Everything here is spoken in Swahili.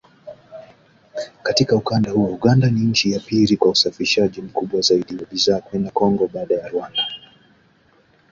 Katika ukanda huo Uganda ni nchi ya pili kwa usafirishaji mkubwa zaidi wa bidhaa kwenda Kongo, baada ya Rwanda